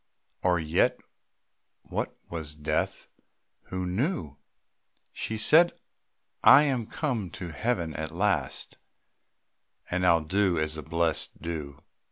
Or yet what was death who knew? She said: "I am come to Heaven at last, And I 'll do as the blessed do."